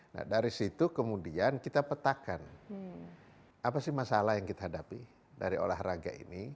nah dari situ kemudian kita petakan apa sih masalah yang kita hadapi dari olahraga ini